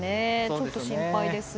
ちょっと心配です。